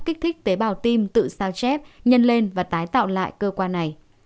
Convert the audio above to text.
kích thích tế bào tim tự sao chép nhân lên và tái tạo lại cơ quan này